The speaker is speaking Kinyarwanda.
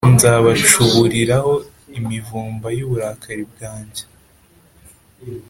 nzabacuburiraho imivumba y’uburakari bwanjye.